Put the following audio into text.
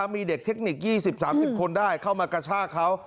มีเด็กเทคนิค๒๐๓๐คนได้เข้ามากระชากเขา